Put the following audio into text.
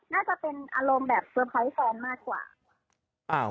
น่าจะเป็นอารมณ์แบบเซอร์ไพรส์แฟนมากกว่า